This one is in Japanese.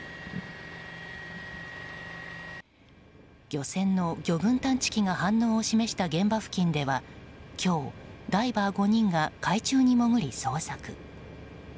漁船の魚群探知機が反応を示した現場付近では今日、ダイバー５人が海中に潜り、捜索。